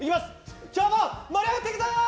今日も盛り上がっていくぞ！